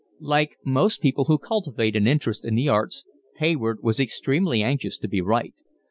Like most people who cultivate an interest in the arts, Hayward was extremely anxious to be right.